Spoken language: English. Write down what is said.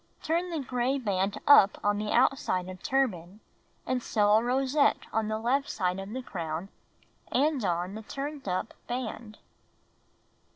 Turn the gray band up on the outside of turban and sew a rosette on the left side of the crown and on the turned up band.